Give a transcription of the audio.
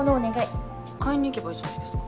買いに行けばいいじゃないですか。